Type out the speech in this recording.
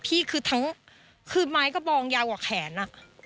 พี่คือทั้งคือไม้กระบองยาวกว่าแขนอ่ะ